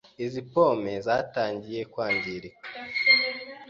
Izi pome zitangiye kwangirika.